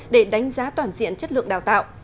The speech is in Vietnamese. để đánh giá toàn diện chất lượng đào tạo